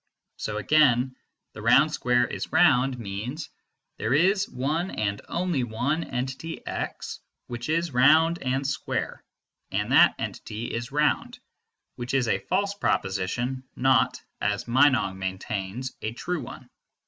So again "the round square is round" means "there is one and only one entity x which is round and square, and that entity is round," which is a false proposition, not, as Meinong maintains, a true one.